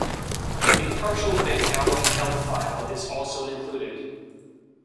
A partial Bengali help file is also included.